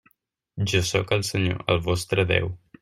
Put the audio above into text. Jo sóc el Senyor, el vostre Déu.